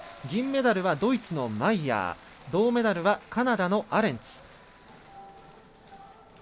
銀メダルはドイツのマイヤー銅メダルはカナダのアレンツ。